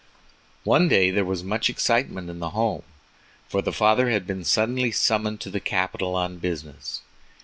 One day there was much excitement in the home, for the father had been suddenly summoned to the capital on business.